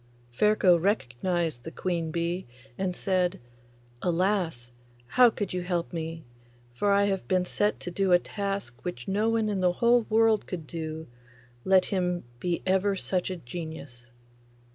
Ferko recognised the queen bee, and said, 'Alas! how could you help me? for I have been set to do a task which no one in the whole world could do, let him be ever such a genius!